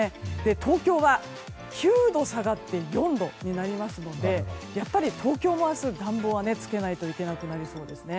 東京は９度下がって４度になりますのでやっぱり東京も明日暖房はつけないといけなくなりそうですね。